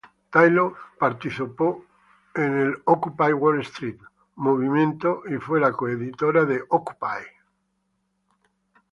Taylor participó del Occupy Wall Street Movement y fue la co-editora de Occupy!